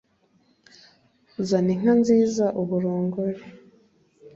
zana inka nziza ubu urongore